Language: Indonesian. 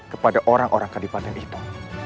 kepada orang orang kabupaten itu